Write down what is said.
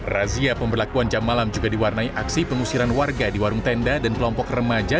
razia pemberlakuan jam malam juga diwarnai aksi pengusiran warga di warung tenda dan kelompok remaja